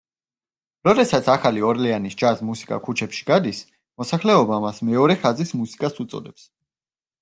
როდესაც ახალი ორლეანის ჯაზ მუსიკა ქუჩებში გადის, მოსახლეობა მას „მეორე ხაზის“ მუსიკას უწოდებს.